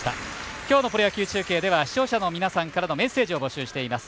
今日のプロ野球中継視聴者からのメッセージを募集しています。